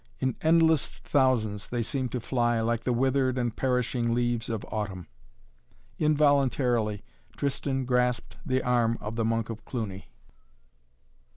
In endless thousands they seemed to fly, like the withered and perishing leaves of autumn. Involuntarily Tristan grasped the arm of the Monk of Cluny.